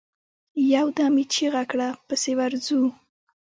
يودم يې چيغه کړه! پسې ورځو.